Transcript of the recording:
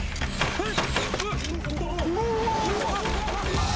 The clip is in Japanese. えっ？